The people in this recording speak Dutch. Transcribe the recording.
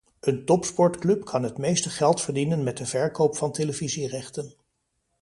Een topsportclub kan het meeste geld verdienen met de verkoop van televisierechten.